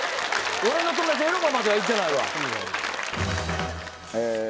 俺の友達エロマまではいってないわ。